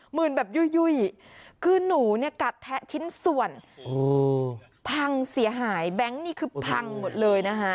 เหมือนแบบยุ่ยคือหนูเนี่ยกัดแทะชิ้นส่วนพังเสียหายแบงค์นี่คือพังหมดเลยนะคะ